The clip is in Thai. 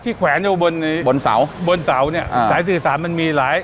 แขวนอยู่บนบนเสาบนเสาเนี่ยสายสื่อสารมันมีหลาย